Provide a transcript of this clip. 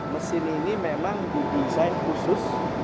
mesin ini memang didesain khusus